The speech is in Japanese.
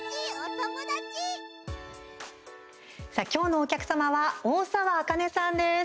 さあ、きょうのお客様は大沢あかねさんです。